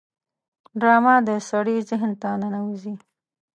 ډرامه د سړي ذهن ته ننوزي